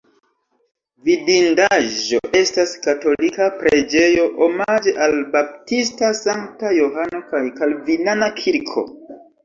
Vidindaĵo estas katolika preĝejo omaĝe al Baptista Sankta Johano kaj kalvinana kirko.